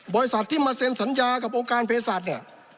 บริษัทที่มาเซ็นสัญญากับองค์การเพศสัตว์เนี่ย